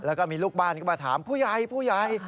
แล้วก็มีลูกบ้านก็มาถามผู้ใหญ่ผู้ใหญ่